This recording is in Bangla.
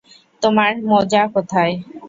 তোমার মোজা কোথায়?